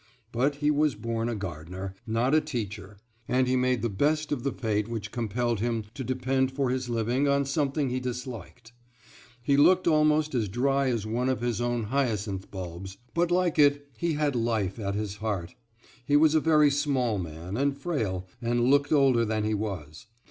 But he was born a gardener, not a teacher; and he made the best of the fate which compelled him to depend for his living on something he disliked. He looked almost as dry as one of his own hyacinth bulbs; but like it he had life at his heart. He was a very small man, and frail, and looked older than he was.